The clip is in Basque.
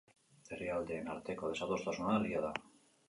Herrialdeen arteko desadostasuna argia da.